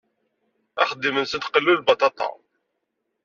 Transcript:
Axeddim-nsen d qellu n lbaṭaṭa.